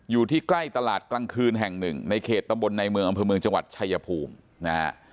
อยู่ที่ใกล้ตลาดกลางคืนแห่งหนึ่งในเขตตำบลในเมืองอำเภอเมืองจังหวัดชายภูมินะฮะ